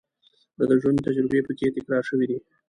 د ژوند تجربې په کې تکرار شوې دي.